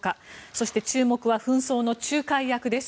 そして注目は紛争の仲介役です。